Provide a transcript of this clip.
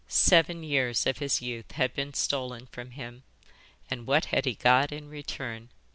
Seven years of his youth had been stolen from him, and what had he got in return?